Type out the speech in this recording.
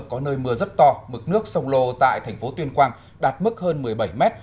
có nơi mưa rất to mực nước sông lô tại thành phố tuyên quang đạt mức hơn một mươi bảy mét